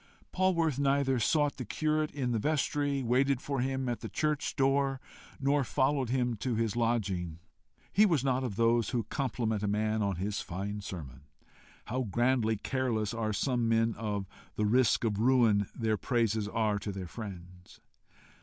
Polwarth neither sought the curate in the vestry, waited for him at the church door, nor followed him to his lodging. He was not of those who compliment a man on his fine sermon. How grandly careless are some men of the risk of ruin their praises are to their friends!